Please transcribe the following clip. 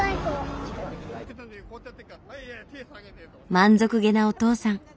満足げなお父さん。